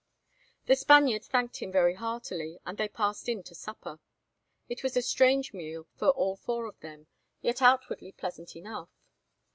The Spaniard thanked him very heartily, and they passed in to supper. It was a strange meal for all four of them, yet outwardly pleasant enough.